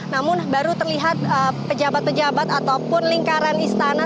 namun baru terlihat pejabat pejabat ataupun lingkaran istana